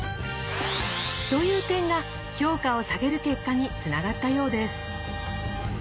という点が評価を下げる結果につながったようです。